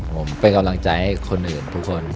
ผมเป็นกำลังใจให้คนอื่นทุกคน